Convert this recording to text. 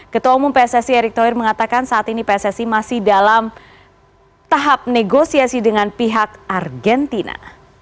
ketua umum pssi erick thohir mengatakan saat ini pssi masih dalam tahap negosiasi dengan pihak argentina